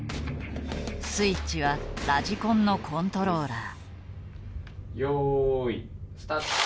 スイッチはラジコンのコントローラー。